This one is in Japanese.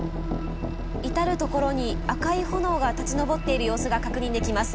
至る所に赤い炎が立ち上っている様子が確認できます。